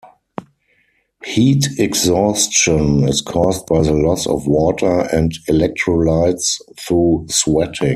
Heat exhaustion is caused by the loss of water and electrolytes through sweating.